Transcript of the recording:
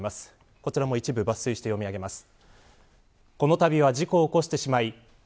こちらも一部抜粋して読み上げます。